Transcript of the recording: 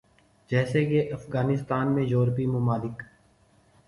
جیسے کے افغانستان میں یورپی ممالک